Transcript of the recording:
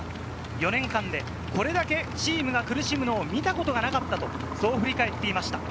４年間でこれだけチームが苦しむのを見たことがなかった、そう振り返っていました。